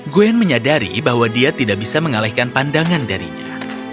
gwen menyadari bahwa dia tidak bisa mengalihkan pandangan darinya